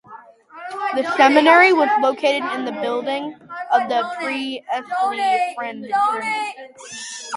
The Seminary was located in the building of the Priestly Fraternity.